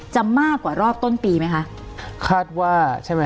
จะมากกว่ารอบต้นปีมั้ยคะ